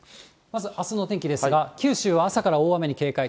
まずあすのお天気ですが、九州は朝から大雨に警戒。